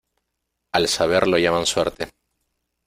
Al saber lo llaman suerte.